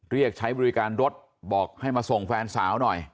เรียกใช้บริการรถบอกให้มาส่งแฟนสาวหน่อย